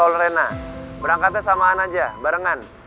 jangan lupa berangkat sama anja